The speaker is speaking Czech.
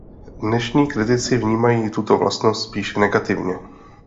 Dnešní kritici vnímají tuto vlastnost spíše negativně.